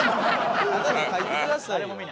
タダで書いてくださいよ。